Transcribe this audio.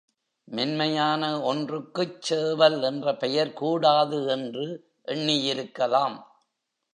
மென்மையான ஒன்றுக்குச் சேவல் என்ற பெயர் கூடாது என்று எண்ணியிருக்கலாம்.